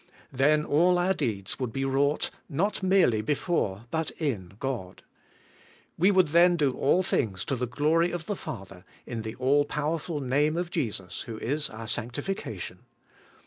Then all our deeds would be wrought, not merely before, but in God. We would then do all things to the glory of the Father, in the all powerful name of Jesus, who is our sanctification.